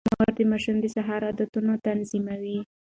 مور د ماشوم د سهار عادتونه تنظيموي.